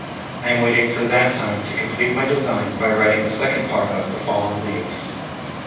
I am waiting for that time, to complete my design by writing the second part of "The Fallen Leaves."